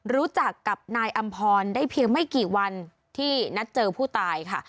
รู้จักกับนายอำพรได้เพียงไม่กี่วันที่นัดเจอผู้ตายค่ะ